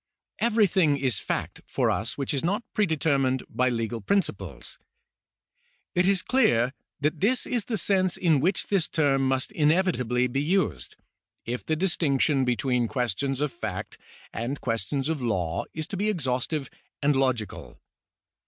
Everything is fact for us which is not predetermined by legal principles. It is clear that this is the sense in which this term must inevitably be used, if the distinction between questions of fact and questions of law is to be exhaustive and logical.